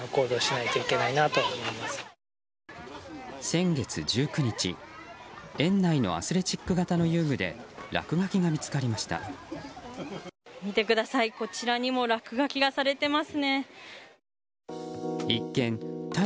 先月１９日園内のアスレチック型の遊具で落書きが見つかりました。